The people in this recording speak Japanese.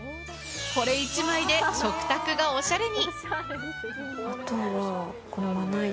これ１枚で食卓がおしゃれに。